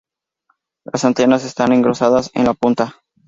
Las antenas están engrosadas en la punta.